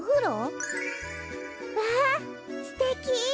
わあすてき！